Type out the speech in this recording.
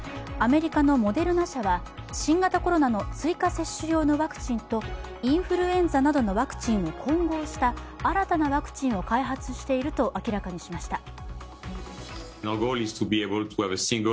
アメリカのモデルナ社は新型コロナの追加接種用のワクチンとインフルエンザなどのワクチンを混合した新たなワクチンを開発していると明らかにしました。